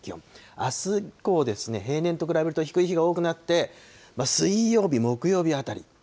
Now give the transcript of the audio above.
あす以降ですね、平年と比べると低い日が多くなって、水曜日、木曜日あたり。